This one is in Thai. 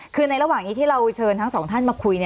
คือในระหว่างนี้ที่เราเชิญทั้งสองท่านมาคุย